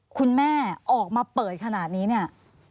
คุณแม่ออกมาเปิดขนาดนี้เนี่ย